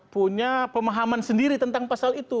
punya pemahaman sendiri tentang pasal itu